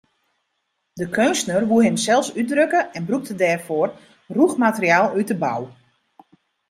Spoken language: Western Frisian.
De keunstner woe himsels útdrukke en brûkte dêrfoar rûch materiaal út de bou.